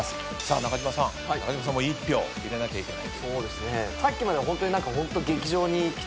中島さんも１票入れなきゃいけない。